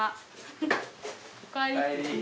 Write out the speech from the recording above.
お帰り。